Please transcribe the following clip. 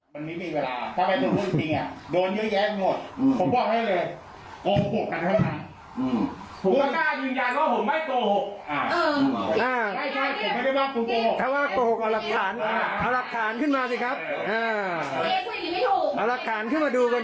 ไม่ได้ถ้าไม่ใช้คำนี้ผมไม่ยอมอ่ะผมบอกเลย